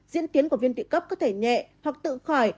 diễn tiến của viên tự cấp có thể nhẹ hoặc tự khỏi